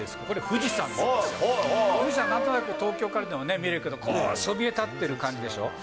富士山、なんとなく東京からでも見えるけども、そびえ立っている感じでしょ。